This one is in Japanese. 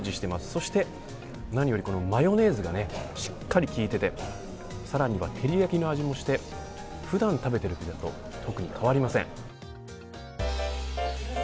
そして何より、このマヨネーズがしっかり効いていてさらには、照り焼きの味もして普段食べているピザと特に変わりません。